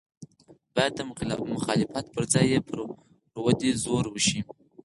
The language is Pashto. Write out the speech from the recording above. باید د مخالفت پر ځای یې پر ودې زور وشي.